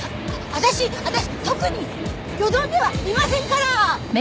私私特によどんではいませんから！